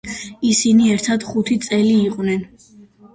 ისინი ერთად ხუთი წელი იყვნენ.